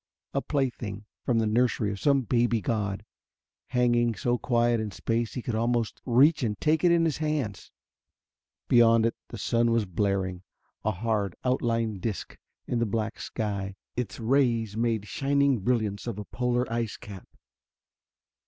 A plaything from the nursery of some baby god, hanging so quiet in space he could almost reach and take it in his hands. Beyond it the sun was blaring, a hard outlined disc in the black sky. Its rays made shining brilliance of a polar ice cap.